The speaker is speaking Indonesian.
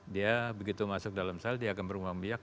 dia begitu masuk dalam sel dia akan beruang biak